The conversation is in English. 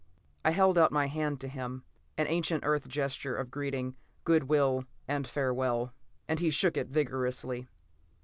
I held out my hand to him an ancient Earth gesture of greeting, good will and farewell and he shook it vigorously.